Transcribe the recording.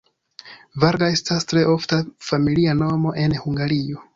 Varga estas tre ofta familia nomo en Hungario.